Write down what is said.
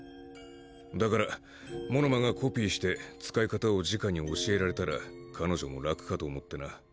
だから物間がコピーして使い方を直に教えられたら彼女も楽かと思ってな。